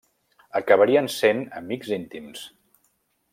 Acabarien sent amics íntims.